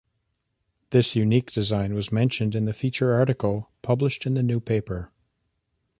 This unique design was mentioned in the feature article published in The New Paper.